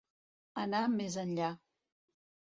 Anar més enllà.